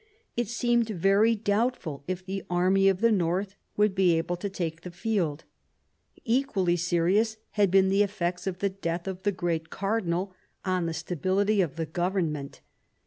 It seemed very doubtful if the army of the North would be able to take the field. Equally serious had been the effects of the death of the great cardinal on the stability of the government.